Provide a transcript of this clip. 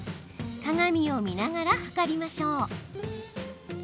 鏡を見ながら測りましょう。